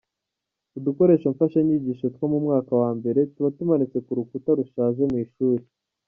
Udukoresho mfashanyigisho two mu mwaka wa mbere tuba tumanitse ku rukuta rushaje mu ishuri.